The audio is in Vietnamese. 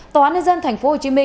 tòa án nhân dân tp hcm